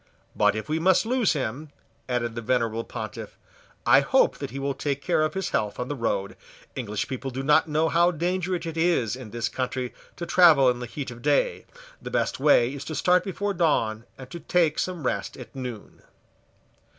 "But if we must lose him," added the venerable Pontiff, "I hope that he will take care of his health on the road. English people do not know how dangerous it is in this country to travel in the heat of the day. The best way is to start before dawn, and to take some rest at noon."